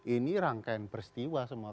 ini rangkaian peristiwa semua